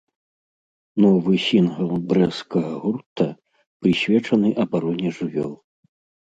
Новы сінгл брэсцкага гурта прысвечаны абароне жывёл.